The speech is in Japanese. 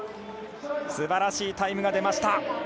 すばらしいタイムが出ました。